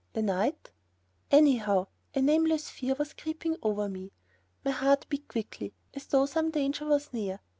the night ... anyhow, a nameless fear was creeping over me. My heart beat quickly, as though some danger was near.